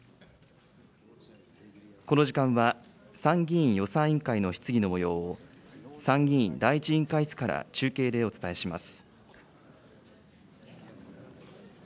この時間は、参議院予算委員会の質疑のもようを、参議院第１委員会室から中継でお伝えします。